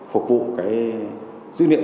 phục vụ cái dữ liệu